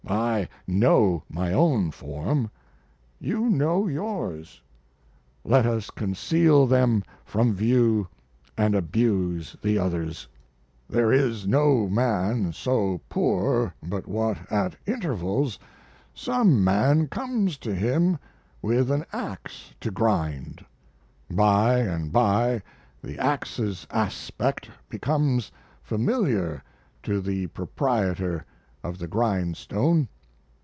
I know my own form, you know yours. Let us conceal them from view and abuse the others. There is no man so poor but what at intervals some man comes to him with an ax to grind. By and by the ax's aspect becomes familiar to the proprietor of the grindstone.